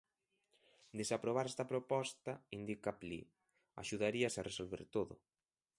De se aprobar esta proposta, indica Pli, "axudaríase a resolver todo".